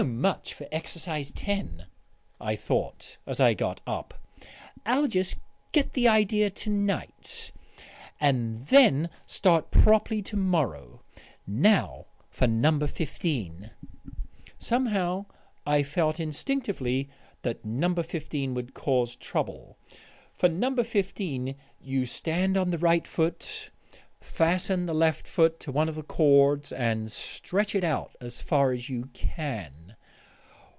"So much for Exercise 10," I thought, as I got up. "I'll just get the idea to night, and then start properly to morrow. Now for No. 15." Somehow I felt instinctively that No. 15 would cause trouble. For No. 15 you stand on the right foot, fasten the left foot to one of the cords, and stretch it out as far as you can....